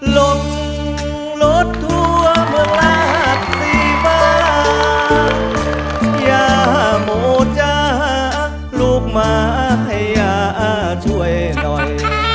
ลงรถทั่วเมืองลาดสีฟ้าอย่าโมจ้าลูกหมาให้ยาช่วยหน่อย